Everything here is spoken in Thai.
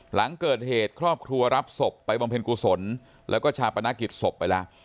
หลังเกิดเหตุครอบครัวรับศพไปบำเพ็ญกุศลแล้วก็ชาปนกิจศพไปแล้ว